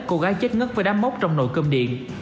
cô gái chết ngất với đám mốc trong nồi cơm điện